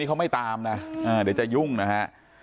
เขาไม่ตามนะเดี๋ยวจะยุ่งนะฮะ